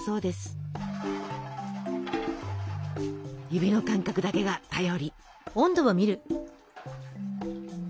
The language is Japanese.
指の感覚だけが頼り。